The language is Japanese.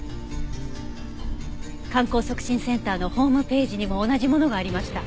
観光促進センターのホームページにも同じものがありました。